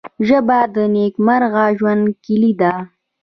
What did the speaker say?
ژبه د نیکمرغه ژوند کلۍ ده